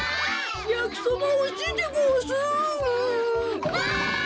やきそばおいしいでごわす。わい！